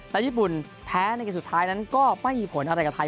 และญี่ปุ่นแพ้ในเกมสุดท้ายนั้นก็ไม่มีผลอะไรกับไทย